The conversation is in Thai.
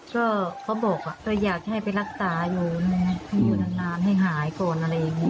ก็เขาบอกก็อยากให้ไปรักษาอยู่ให้อยู่นานให้หายก่อนอะไรอย่างนี้